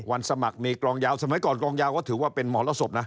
วันสมัครมีกองยาวสมัยก่อนกองยาวก็ถือว่าเป็นหมดแล้วสบนะ